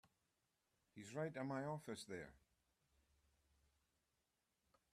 He's right in my office there.